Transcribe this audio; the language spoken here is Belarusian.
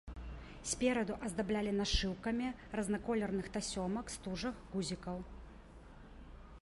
Спераду аздаблялі нашыўкамі разнаколерных тасёмак, стужак, гузікаў.